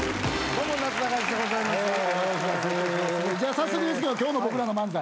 早速ですけど今日の僕らの漫才